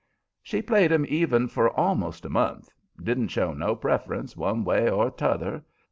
She played 'em even for almost a month; didn't show no preference one way or the other.